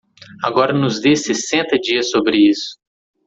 Agora nos dê sessenta dias sobre isso.